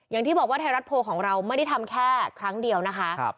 อย่างที่บอกว่าไทยรัฐโพลของเราไม่ได้ทำแค่ครั้งเดียวนะคะ